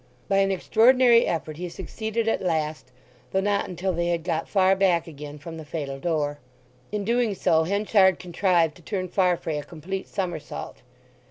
By an extraordinary effort he succeeded at last, though not until they had got far back again from the fatal door. In doing so Henchard contrived to turn Farfrae a complete somersault.